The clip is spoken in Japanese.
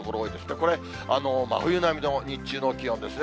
これ、真冬並みの日中の気温ですね。